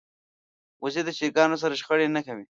وزې د چرګانو سره شخړه نه کوي